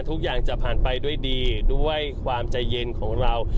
ทุกอย่างจะผ่านไปด้วยดีด้วยความใจเย็นของเรา